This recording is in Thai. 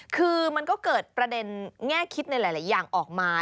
คือมันก็เกิดประเด็นแง่คิดในหลายอย่างออกมา